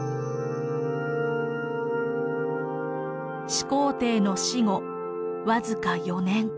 始皇帝の死後僅か４年。